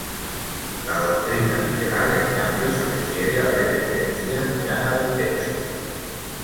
La doctrina literal en cambio se refiere a la dependencia llana del texto.